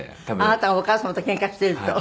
あなたがお母様とケンカしてると。